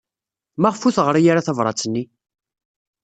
Maɣef ur teɣri ara tabṛat-nni?